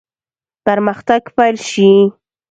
پرمختګ پیل شي.